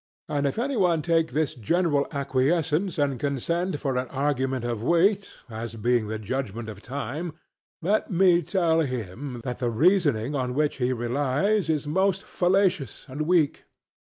And if any one take this general acquiescence and consent for an argument of weight, as being the judgment of Time, let me tell him that the reasoning on which he relies is most fallacious and weak.